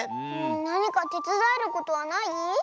なにかてつだえることはない？